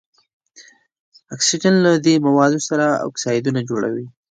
اکسیجن له دې موادو سره اکسایدونه جوړوي.